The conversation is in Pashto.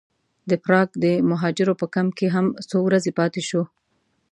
د پراګ د مهاجرو په کمپ کې هم څو ورځې پاتې شوو.